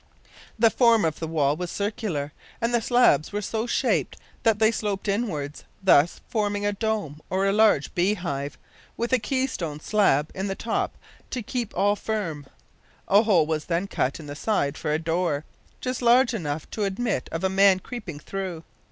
The form of the wall was circular, and the slabs were so shaped that they sloped inwards, thus forming a dome, or large bee hive, with a key stone slab in the top to keep all firm. A hole was then cut in the side for a door just large enough to admit of a man creeping through.